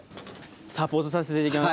サポートさせていただきます。